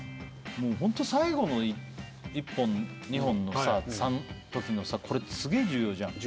ホント最後の１本２本の差のときのこれってすげえ重要じゃん。